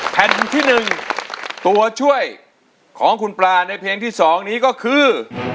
แผ่นที่๑ตัวช่วยของคุณปลาในเพลงที่๒นี้ก็คือ